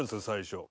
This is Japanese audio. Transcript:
最初。